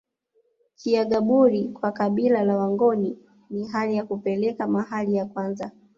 Chiyagabuli kwa kabila la wangoni ni hali ya kupeleka mahali ya kwanza